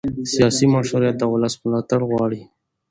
سیاسي مشروعیت د ولس ملاتړ غواړي